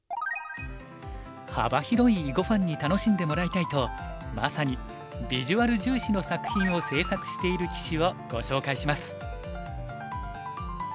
幅広い囲碁ファンに楽しんでもらいたいとまさにビジュアル重視の作品を制作している棋士をご紹介します。